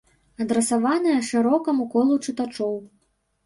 Адрасаванае шырокаму колу чытачоў.